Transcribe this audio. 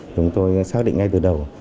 chúng tôi xác định ngay từ đầu